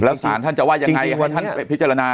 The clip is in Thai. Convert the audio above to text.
แล้วส่างท่านจะว่ายังไงให้ท่านพิจารณา